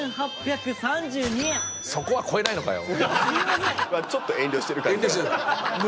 そこは超えないのかよ！